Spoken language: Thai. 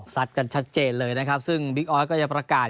กันชัดเจนเลยนะครับซึ่งบิ๊กออสก็จะประกาศ